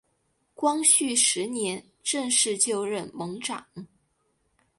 光绪十年正式就任盟长。